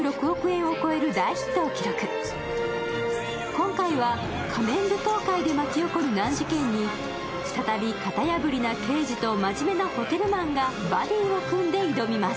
今回は仮面舞踏会で巻き起こる難事件に再び型破りな刑事と真面目なホテルマンがバディを組んで挑みます。